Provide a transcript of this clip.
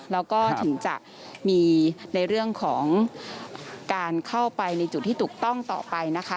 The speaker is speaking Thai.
แล้วก็ถึงจะมีในเรื่องของการเข้าไปในจุดที่ถูกต้องต่อไปนะคะ